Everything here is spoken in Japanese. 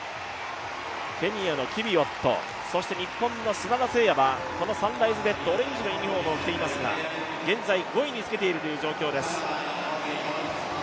ケニアのキビウォット、そして日本の砂田晟弥は、サンライズレッド、オレンジのユニフォームを着ていますが現在５位につけている状況です。